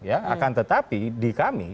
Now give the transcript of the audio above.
akan tetapi di kami